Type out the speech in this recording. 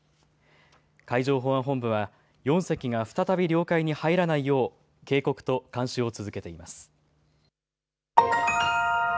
海上保安本部は４隻が再び領海に入らないよう警告と監視を続けています。